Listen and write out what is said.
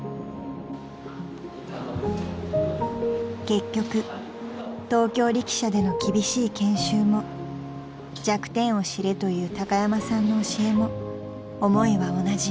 ［結局東京力車での厳しい研修も弱点を知れという高山さんの教えも思いは同じ］